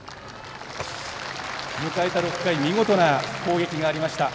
迎えた６回見事な攻撃がありました。